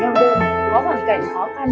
giao đơn có hoàn cảnh khó khăn